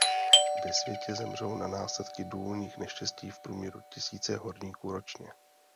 Ve světě zemřou na následky důlních neštěstí v průměru tisíce horníků ročně.